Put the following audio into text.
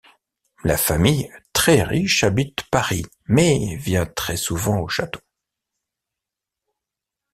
La famille, très riche, habite Paris mais vient très souvent au château.